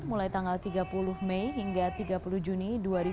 mulai tanggal tiga puluh mei hingga tiga puluh juni dua ribu dua puluh